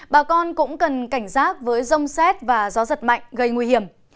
bà con cũng cần cảnh giác với rông xét và gió giật mạnh gây nguy hiểm